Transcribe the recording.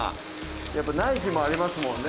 やっぱない日もありますもんね。